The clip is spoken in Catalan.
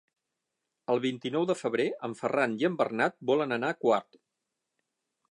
El vint-i-nou de febrer en Ferran i en Bernat volen anar a Quart.